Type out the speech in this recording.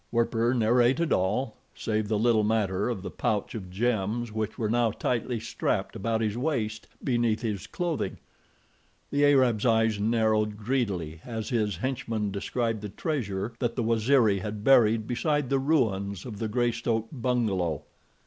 Werper narrated all, save the little matter of the pouch of gems which were now tightly strapped about his waist, beneath his clothing. The Arab's eyes narrowed greedily as his henchman described the treasure that the Waziri had buried beside the ruins of the Greystoke bungalow.